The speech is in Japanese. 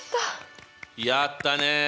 やったね。